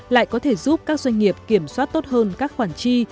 lại có thể giúp các doanh nghiệp kiểm soát tốt hơn các khoản chi